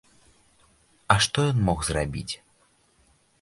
А што ён мог зрабіць?